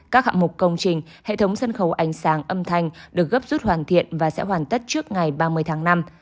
các hạng mục công trình hệ thống sân khấu ánh sáng âm thanh được gấp rút hoàn thiện và sẽ hoàn tất trước ngày ba mươi tháng năm